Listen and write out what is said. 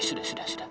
sudah sudah sudah